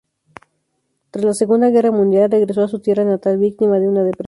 Tras la Segunda Guerra Mundial regresó a su tierra natal víctima de una depresión.